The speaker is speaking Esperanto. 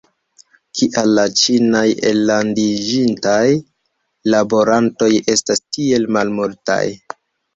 Kial la ĉinaj ellandiĝintaj laborantoj estas tiel malmultaj?